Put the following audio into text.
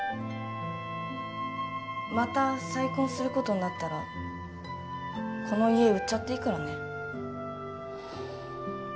また再婚することになったらこの家売っちゃっていいからね。